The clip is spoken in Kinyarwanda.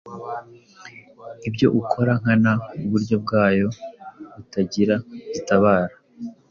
Ibyo ukora nkana uburyo bwayo butagira gitabara;